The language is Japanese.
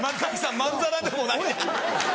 まんざらでもない。